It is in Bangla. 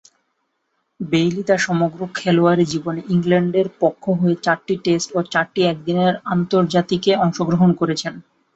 বেইলি তার সমগ্র খেলোয়াড়ী জীবনে ইংল্যান্ডের পক্ষ হয়ে চারটি টেস্ট ও চারটি একদিনের আন্তর্জাতিকে অংশগ্রহণ করেছেন।